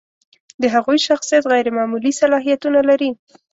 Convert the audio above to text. د هغوی شخصیت غیر معمولي صلاحیتونه لري.